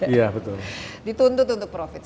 iya betul dituntut untuk profit